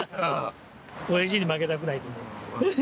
おやじに負けたくないけんね。